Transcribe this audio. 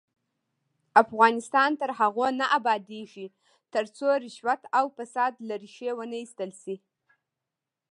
افغانستان تر هغو نه ابادیږي، ترڅو رشوت او فساد له ریښې ونه ایستل شي.